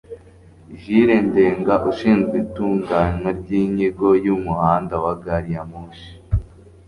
jules ndenga ushinzwe itunganywa ry' inyigo y'umuhanda wa gari ya moshi